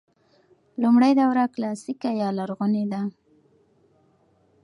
لومړۍ دوره کلاسیکه یا لرغونې ده.